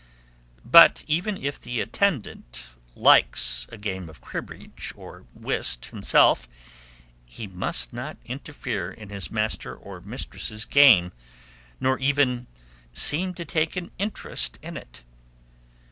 But even if the attendant likes a game of cribbage or whist himself, he must not interfere in his master or mistress's game, nor even seem to take an interest in it.